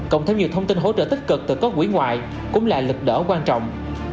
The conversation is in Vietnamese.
cộng thêm nhiều thông tin hỗ trợ tích cực từ các quỹ ngoài cũng là lực đỡ quan trọng